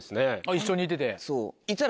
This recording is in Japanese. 一緒にいてて。